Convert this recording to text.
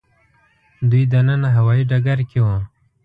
دوی دننه هوايي ډګر کې وو.